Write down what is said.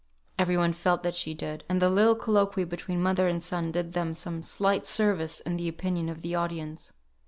Every one felt that she did; and the little colloquy between mother and son did them some slight service in the opinion of the audience.